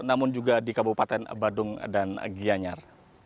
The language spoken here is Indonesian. namun juga di kabupaten badung dan gianyar